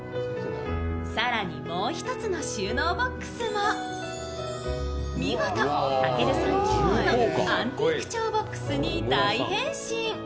更にもう一つの収納ボックスも見事、たけるさん希望のアンティーク調ボックスに大変身。